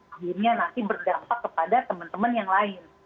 akhirnya nanti berdampak kepada teman teman yang lain